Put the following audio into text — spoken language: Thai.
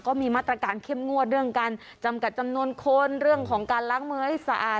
ก็มีมาตรการเข้มงวดเรื่องการจำกัดจำนวนคนเรื่องของการล้างมือให้สะอาด